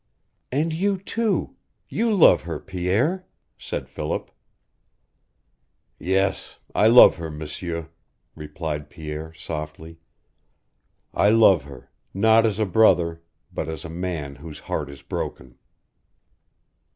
"And you, too you love her, Pierre," said Philip. "Yes, I love her, M'sieur," replied Pierre, softly. "I love her, not as a brother, but as a man whose heart is broken."